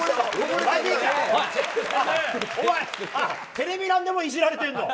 テレビ欄でもイジられてるの？